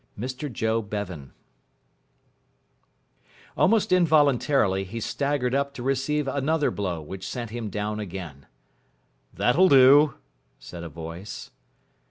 VII MR JOE BEVAN Almost involuntarily he staggered up to receive another blow which sent him down again. "That'll do," said a voice.